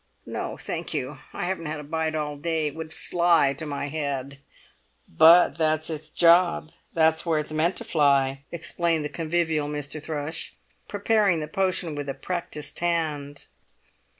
"No, thank you! I haven't had a bite all day. It would fly to my head." "But that's its job; that's where it's meant to fly," explained the convivial Mr. Thrush, preparing the potion with practised hand.